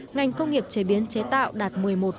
ngành công nghiệp chế biến chế tạo đạt một mươi một